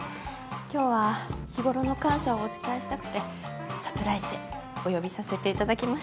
今日は日頃の感謝をお伝えしたくてサプライズでお呼びさせていただきました。